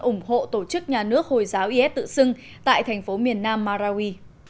ủng hộ tổ chức nhà nước hồi giáo is tự xưng tại thành phố miền nam marawi